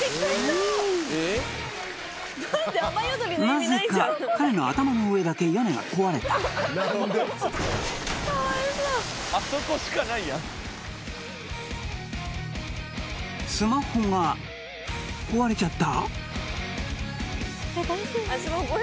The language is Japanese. なぜか彼の頭の上だけ屋根が壊れたスマホが壊れちゃった？